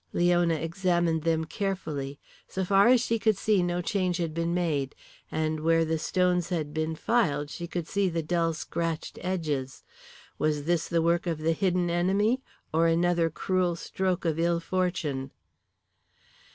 Leona examined them carefully So far as she could see no change had been made. And where the stones had been filed she could see the dull scratched edges. Was this the work of the hidden enemy or another cruel stroke of ill fortune?